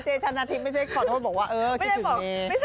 เจชันนาธิไม่ใช่ขอโทษบอกว่าเออคิดถึงเม